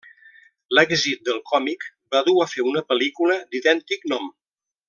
L'èxit del còmic va dur a fer una pel·lícula d'idèntic nom.